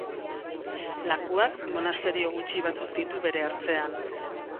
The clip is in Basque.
Lakuak, monasterio gutxi batzuk ditu bere ertzean.